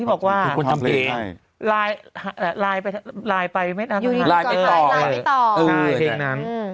เออเลอะ